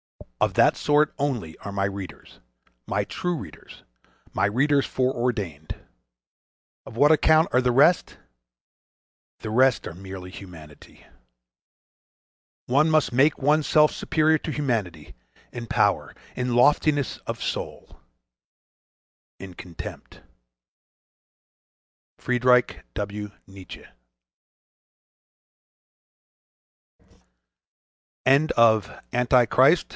of that sort only are my readers, my true readers, my readers foreordained: of what account are the rest?—The rest are merely humanity.—One must make one's self superior to humanity, in power, in loftiness of soul,—in contempt. Friedrich W. Nietzsche. THE ANTICHRIST 1.